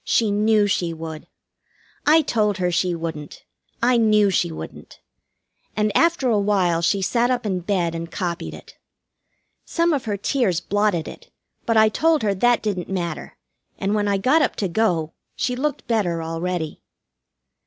She knew she would. I told her she wouldn't. I knew she wouldn't. And after a while she sat up in bed and copied it. Some of her tears blotted it, but I told her that didn't matter, and when I got up to go she looked better already.